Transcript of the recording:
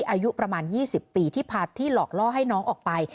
อายุประมาณ๒๐ปีที่พาที่หลอกล่อให้น้องออกไป